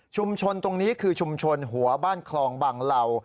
ตรงนี้คือชุมชนหัวบ้านคลองบางเหล่า